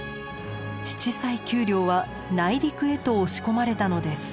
七彩丘陵は内陸へと押し込まれたのです。